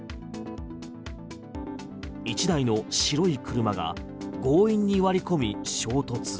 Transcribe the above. １台の白い車が強引に割り込み衝突。